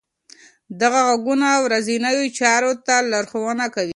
دغه غږونه ورځنیو چارو ته لارښوونه کوي.